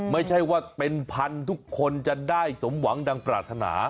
ไม่ใช่ว่าเป็นพันทุกคนจะได้สมหวังดังปรารถนา